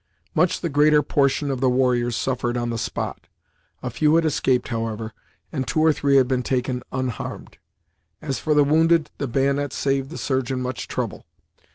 Much the greater portion of the warriors suffered on the spot. A few had escaped, however, and two or three had been taken unharmed. As for the wounded, the bayonet saved the surgeon much trouble.